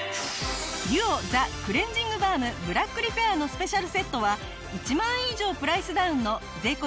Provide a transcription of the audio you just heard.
ＤＵＯザクレンジングバームブラックリペアのスペシャルセットは１万円以上プライスダウンの税込